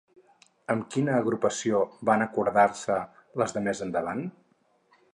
Amb quina agrupació van acordar-se les de més endavant?